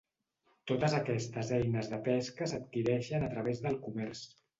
Totes aquestes eines de pesca s'adquireixen a través del comerç.